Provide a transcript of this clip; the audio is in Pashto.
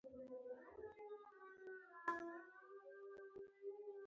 موسیقي به یې اورېدله او له طبیعت سره به و